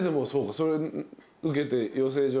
それ受けて養成所